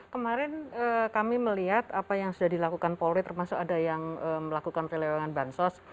kemarin kami melihat apa yang sudah dilakukan polri termasuk ada yang melakukan pelewangan bansos